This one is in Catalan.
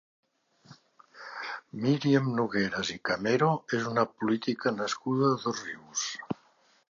Míriam Nogueras i Camero és una política nascuda a Dosrius.